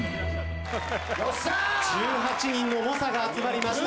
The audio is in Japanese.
１８人の猛者が集まりました。